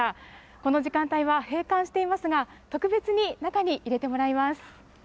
この時間帯は閉館していますが、特別に中に入れてもらいます。